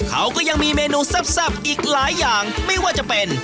เขาก็ยังมีเมนูแซ่บอีกหลายอย่างไม่ว่าจะเป็น